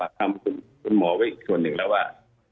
แล้วก็ฝากคำคุณหมอไว้ส่วนหนึ่งแล้วว่า